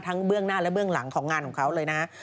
เบื้องหน้าและเบื้องหลังของงานของเขาเลยนะฮะ